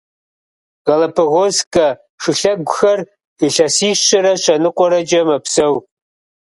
Галапагосскэ шылъэгухэр илъэсищэрэ щэныкъуэрэкӏэ мэпсэу.